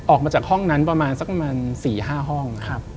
ออกมาจากห้องนั้นประมาณสักประมาณ๔๕ห้อง